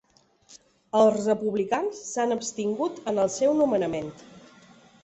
Els republicans s’han abstingut en el seu nomenament.